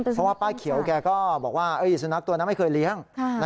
เพราะว่าป้าเขียวแกก็บอกว่าสุนัขตัวนั้นไม่เคยเลี้ยง